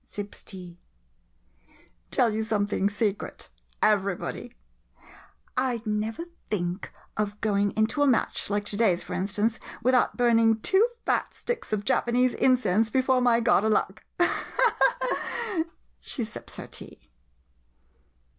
[Sips tea.] Tell you something — secret — everybody! I 'd never think of going into a match, like to day's for instance, without burning two fat sticks of Japanese incense before my God o' Luck! [Laughs and sips her tea.